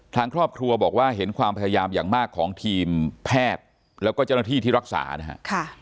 ทางครอบครัวบอกว่าเห็นความพยายามอย่างมากของทีมแพทย์แล้วก็เจ้าหน้าที่ที่รักษานะฮะ